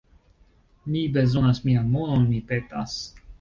Mi bezonas mian monon, mi petas